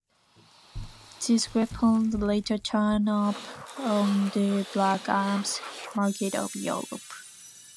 These weapons later turned up on the black arms market of Europe.